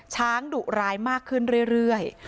ดุร้ายมากขึ้นเรื่อย